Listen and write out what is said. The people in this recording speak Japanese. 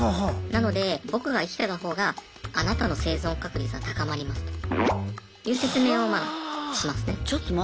なので僕が生きてたほうがあなたの生存確率は高まりますという説明をまあしますね。